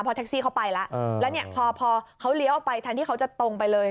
แท็กซี่เขาไปแล้วแล้วเนี่ยพอเขาเลี้ยวออกไปแทนที่เขาจะตรงไปเลย